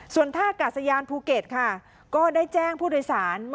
ส่วนท่ากาศยานภูเก็ตค่ะก็ได้แจ้งผู้โดยสาร